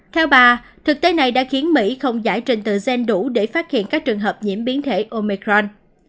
theo bà thực tế này đã khiến mỹ không giải trình tự gen đủ để phát hiện các trường hợp nhiễm biến thể omicron